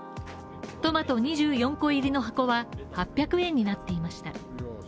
トマト２４個入りの箱は８００円になっていました。